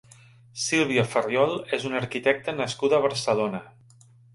Sílvia Farriol és una arquitecta nascuda a Barcelona.